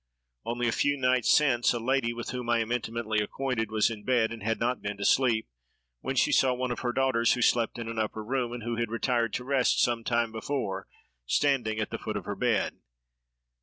Only a few nights since, a lady, with whom I am intimately acquainted, was in bed, and had not been to sleep, when she saw one of her daughters, who slept in an upper room, and who had retired to rest some time before, standing at the foot of her bed.